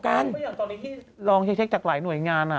เพราะอย่างตอนนี้ที่ลองเช็คจากหลายหน่วยงาน